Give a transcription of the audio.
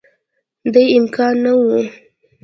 دې امکان نه وو